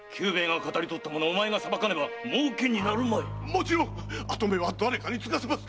もちろん跡目は誰かに継がせます。